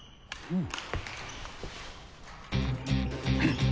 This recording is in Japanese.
うん。